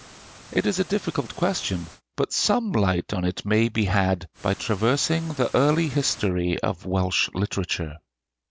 It is a difficult question, but some light on it may be had by traversing the early history of Welsh literature.